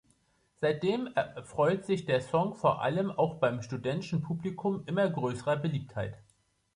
Seitdem erfreut sich der Song vor allem auch beim studentischen Publikum immer größerer Beliebtheit.